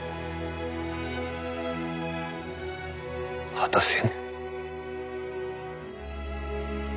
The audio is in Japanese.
果たせぬ。